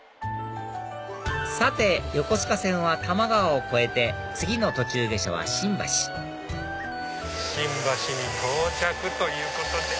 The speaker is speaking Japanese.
さて横須賀線は多摩川を越えて次の途中下車は新橋新橋に到着ということで。